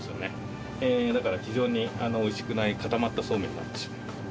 だから非常においしくない固まったそうめんになってしまいます。